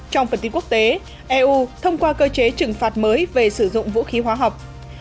trong phần tin quốc tế eu thông qua cơ chế trừng phạt mới về sử dụng vũ khí hóa học